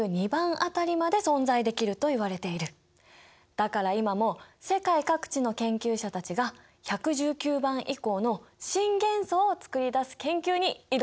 だから今も世界各地の研究者たちが１１９番以降の新元素を作り出す研究に挑んでいるんだ。